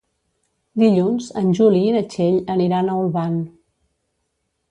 Dilluns en Juli i na Txell aniran a Olvan.